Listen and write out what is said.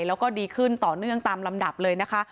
แล้วก็ดีขึ้นต่อเนื่องตามลำดับเลยนะคะ